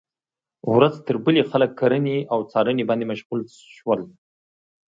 ورځ تر بلې خلک کرنې او څارنې باندې مشغول شول.